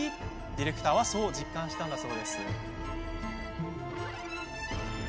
ディレクターはそう実感したんだそうです。